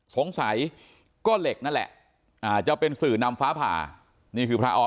สงสัยก็เหล็กนั่นแหละจะเป็นสื่อนำฟ้าผ่านี่คือพระออ